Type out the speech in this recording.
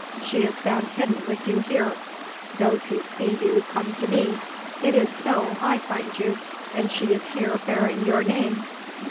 She is found hidden with you here, those who see you come to me; it is so I find you, and she is here bearing your name.